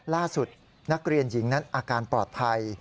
ล่าสุดนักเรียนหญิงนั้นอาการปลอดภัย